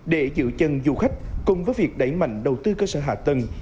để giữ chân du khách cùng với việc đẩy mạnh đầu tư cơ sở hạ tầng